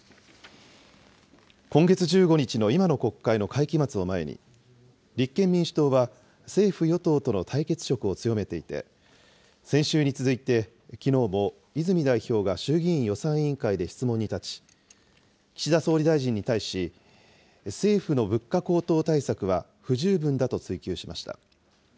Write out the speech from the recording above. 今月１５日の今の国会の会期末を前に、立憲民主党は政府・与党との対決色を強めていて、先週に続いて、きのうも泉代表が衆議院予算委員会で質問に立ち、岸田総理大臣に対し、政府の物価高騰対策は不十分だと追及しました。